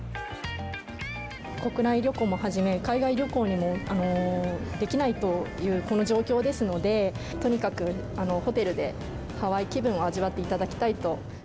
国内旅行をはじめ、海外旅行もできないというこの状況ですので、とにかくホテルでハワイ気分を味わっていただきたいと。